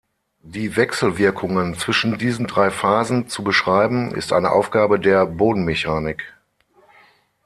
Die Wechselwirkungen zwischen diesen drei Phasen zu beschreiben, ist eine Aufgabe der Bodenmechanik.